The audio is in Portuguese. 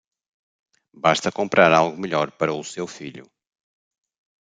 Basta comprar algo melhor para o seu filho.